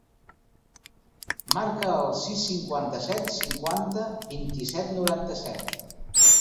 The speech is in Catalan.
Marca el sis, cinquanta-set, cinquanta, vint-i-set, noranta-set.